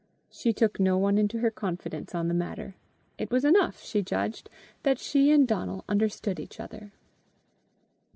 She took no one into her confidence on the matter: it was enough, she judged, that she and Donal understood each other.